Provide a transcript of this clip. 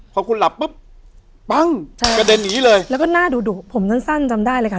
พอคุณหลับปุ๊บปั้งใช่กระเด็นอย่างนี้เลยแล้วก็หน้าดุดุผมสั้นสั้นจำได้เลยค่ะ